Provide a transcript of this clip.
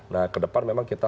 nah ke depan memang kita